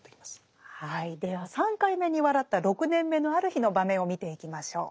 では３回目に笑った６年目のある日の場面を見ていきましょう。